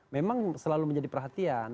memang selalu menjadi perhatian